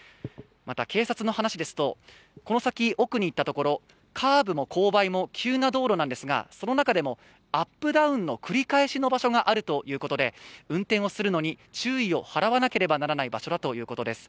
警察の話ですと、この先奥に行ったところ、カーブも勾配も急な道路なんですが、その中でもアップダウンの繰り返しの場所があるということで運転をするのに、注意を払わなければならない場所だということです。